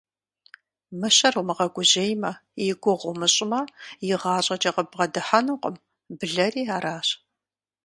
Мыщэр умыгъэгужьеймэ, и гугъу умыщӀмэ, игъащӀэкӀэ къыббгъэдыхьэнукъым, блэри аращ.